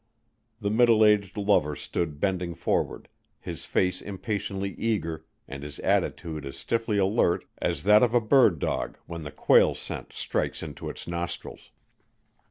The middle aged lover stood bending forward, his face impatiently eager and his attitude as stiffly alert as that of a bird dog when the quail scent strikes into its nostrils.